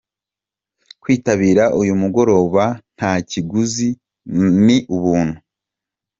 Kwitabira uyu mugoroba nta kiguzi, ni ubuntu.